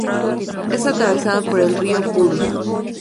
Es atravesado por el río Purus.